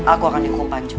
aku akan hukum pancur